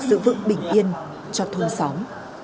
giữ vững bình yên cho thôn xóm